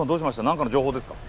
何かの情報ですか？